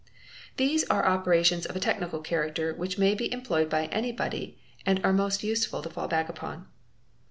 These are operations of a technical character which may be employed by anybody and are most useful to fall back upon.